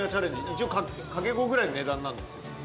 一応掛け５ぐらいの値段なんですよ。